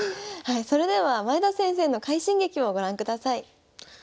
それでは前田先生の快進撃をご覧ください。